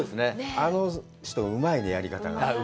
あの人、うまいね、やり方が。